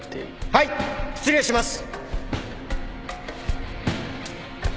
はい失礼します。